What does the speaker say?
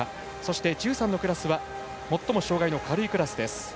１３のクラスは最も障がいの軽いクラスです。